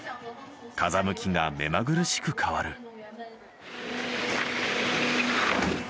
風向きが目まぐるしく変わる。